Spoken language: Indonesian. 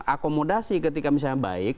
akomodasi ketika misalnya baik